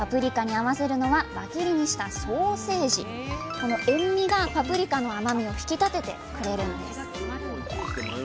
この塩味がパプリカの甘みを引き立ててくれるんです。